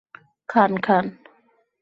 খান, খান।